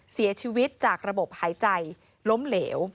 เสียชีวิตจากระบบหายใจล้มเหลว